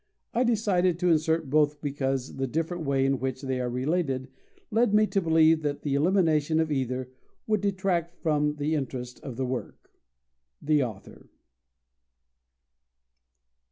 I decided to insert both because the different way in which they are related led me to believe that the elimination of either would detract from the interest of the work. THE AUTHOR.